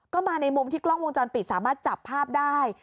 ก็มาในมุมที่กล้องวงจรปิดสามารถจับภาพได้